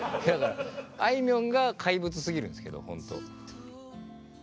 あいみょんが怪物すぎるんですけどほんと。